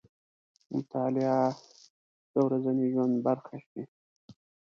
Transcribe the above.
مطالعه دې د ورځني ژوند برخه شي.